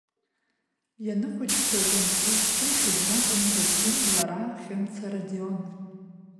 Ианыхәыҷқәазнатә еицрымшәоз ракәын Зосим, лара, Хьымца, Радион.